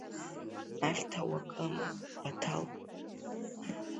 Ахьҭа уакыма, Баҭал?